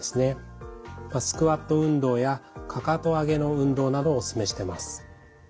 スクワット運動やかかと上げの運動などをお勧めしてます。